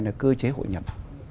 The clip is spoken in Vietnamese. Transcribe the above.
là cơ chế hội nhập